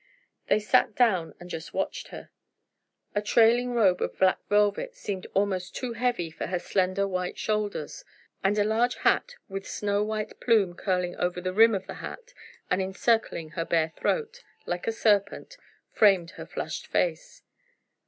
They sat down and just watched her. A trailing robe of black velvet seemed almost too heavy for her slender white shoulders, and a large hat with snow white plume curling over the rim of the hat and encircling her bare throat, like a serpent, framed her flushed face.